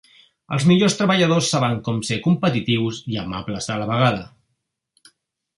Els millors treballadors saben com ser competitius i amables a la vegada.